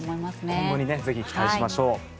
今後にぜひ期待しましょう。